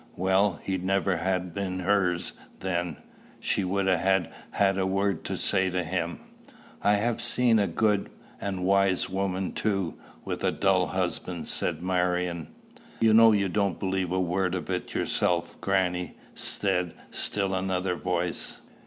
"Well, he'd never ha' been hers, then. She wouldn't ha' had a word to say to him." "I have seen a good and wise woman too with a dull husband," said Marion. "You know you don't believe a word of it yourself, grannie," said still another voice.